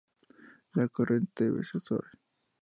La corriente debe ser suave.